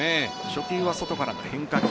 初球は外からの変化球。